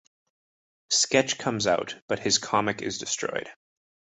Sketch comes out, but his comic is destroyed.